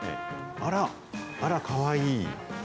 あら、あら、かわいい。